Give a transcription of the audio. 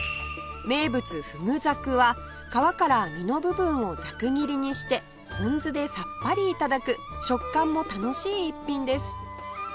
名物ふぐざくは皮から身の部分をざく切りにしてポン酢でさっぱり頂く食感も楽しい逸品です